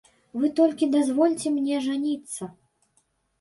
Вы толькі дазвольце мне жаніцца.